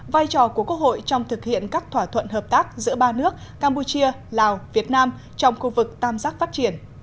vai trò của quốc hội trong thực hiện các thỏa thuận hợp tác giữa ba nước campuchia lào việt nam trong khu vực tam giác phát triển